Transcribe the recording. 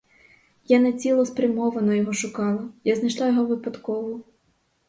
Я не цілоспрямовано його шукала, я знайшла його випадково.